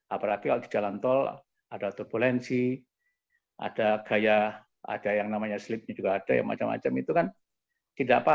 apalagi kalau di jalan tol ada turbulensi ada gaya ada yang namanya sleepnya juga ada yang macam macam itu kan tidak apa apa